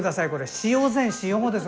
使用前使用後です